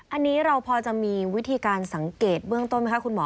อันนี้เราพอจะมีวิธีการสังเกตเบื้องต้นไหมคะคุณหมอ